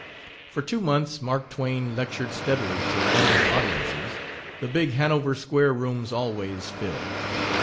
For two months Mark Twain lectured steadily to London audiences the big Hanover Square rooms always filled.